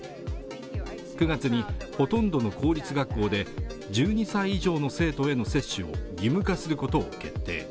９月にほとんどの公立学校で１２歳以上の生徒への接種を義務化することを決定